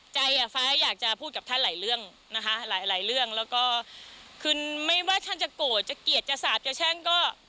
อ่ะฟ้าอยากจะพูดกับท่านหลายเรื่องนะคะหลายหลายเรื่องแล้วก็คือไม่ว่าท่านจะโกรธจะเกลียดจะสาบจะแช่งก็